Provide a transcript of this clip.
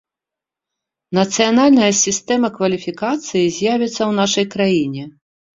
Нацыянальная сістэма кваліфікацыі з'явіцца ў нашай краіне.